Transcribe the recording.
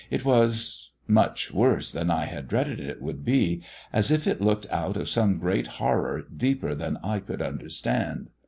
It was ... much worse than I had dreaded it would be; as if it looked out of some great horror deeper than I could understand.